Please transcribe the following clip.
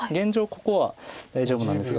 ここは大丈夫なんですが。